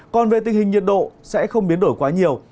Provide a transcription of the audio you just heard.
còn về tình hình nhiệt độ sẽ không biến đổi quá nhiều